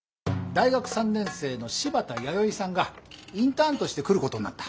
大学３年生の柴田弥生さんがインターンとして来ることになった。